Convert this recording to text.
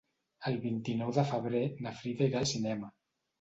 El vint-i-nou de febrer na Frida irà al cinema.